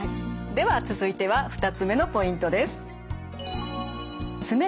では続いては２つ目のポイントです。